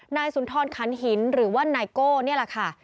นายสุนทรขันหินหรือว่านายโก้นี่แหละค่ะ